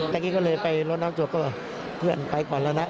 เมื่อกี้ก็เลยไปรถน้ำจบก็เพื่อนไปก่อนแล้วนะ